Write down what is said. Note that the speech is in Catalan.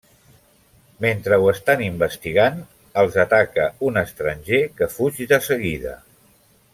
Mentre ho estan investigant, els ataca un estranger que fuig de seguida.